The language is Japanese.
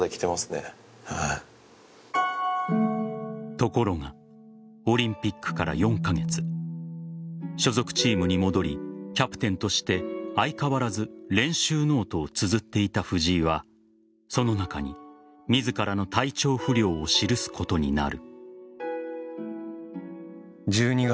ところがオリンピックから４カ月所属チームに戻りキャプテンとして相変わらず練習ノートをつづっていた藤井はその中に自らの体調不良を記すことになる。